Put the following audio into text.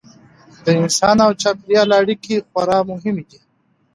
د انسان او چاپیریال اړیکې خورا مهمې دي.